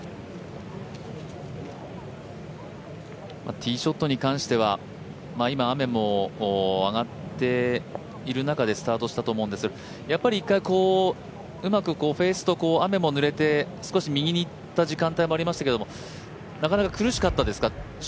ティーショットに関しては、今雨も上がっている中でスタートしたと思うんですがやっぱり１回フェースと雨もぬれて、少し右に行った時間帯もありましたけどなかなか苦しかったですか？